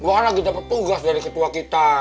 gua lagi dapet tugas dari ketua kita